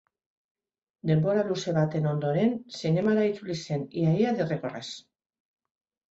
Denbora luze baten ondoren, zinemara itzuli zen, ia-ia derrigorrez.